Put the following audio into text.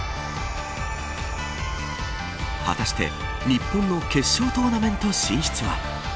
果たして日本の決勝トーナメント進出は。